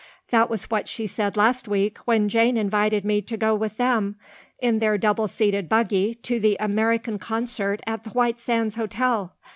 That was what she said last week when Jane invited me to go with them in their double seated buggy to the American concert at the White Sands Hotel.